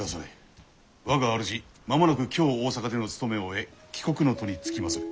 我が主間もなく京大坂での務めを終え帰国の途につきまする。